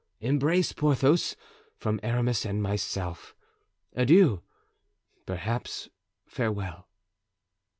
"Embrace Porthos from Aramis and myself. Adieu, perhaps farewell."